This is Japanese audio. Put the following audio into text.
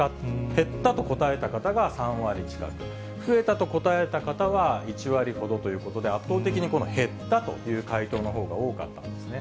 減ったと答えた方が３割近く、増えたと答えた方は１割ほどということで、圧倒的に減ったという回答のほうが多かったんですね。